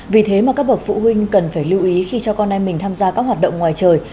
vì thế mà các bậc phụ huynh cần phải lưu ý khi cho con em mình tham gia các hoạt động ngoài trời